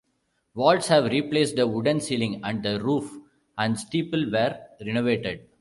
Vaults have replaced the wooden ceiling and the roof and steeple were renovated.